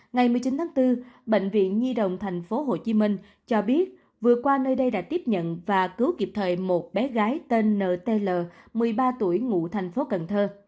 ngày một mươi chín tháng bốn bệnh viện nhi đồng tp hcm cho biết vừa qua nơi đây đã tiếp nhận và cứu kịp thời một bé gái tên nt một mươi ba tuổi ngụ thành phố cần thơ